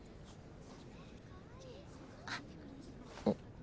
あっ。